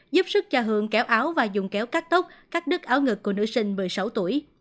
giúp sức cho hương kéo áo và dùng kéo cắt tốc cắt đứt áo ngực của nữ sinh một mươi sáu tuổi